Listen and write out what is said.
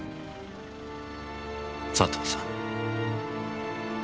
佐藤さん。